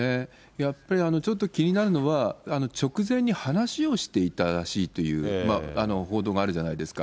やっぱりちょっと気になるのは、直前に話をしていたらしいという、報道があるじゃないですか。